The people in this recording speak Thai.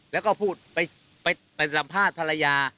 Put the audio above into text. แล้วก็พูดไปสัมภาษณ์ภรรยา